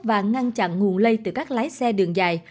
và ngăn chặn nguồn lây từ các lái xe đường dài